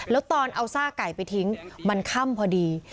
แล้วตอนเอาซากไก่ไปทิ้งมันค่ำพอดี